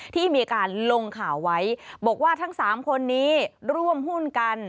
ที่มีการลงข่าวไว้บอกว่าทั้ง๓คนนี้ร่วมหุ้นกัน